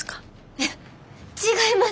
いや違います！